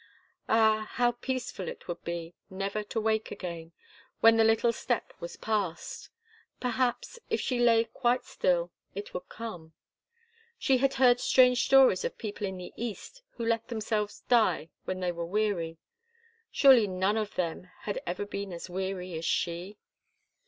Ah, how peaceful it would be never to wake again, when the little step was passed! Perhaps, if she lay quite still, it would come. She had heard strange stories of people in the East, who let themselves die when they were weary. Surely, none of them had ever been as weary as she.